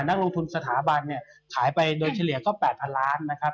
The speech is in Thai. นักลงทุนสถาบันเนี่ยขายไปโดยเฉลี่ยก็๘๐๐ล้านนะครับ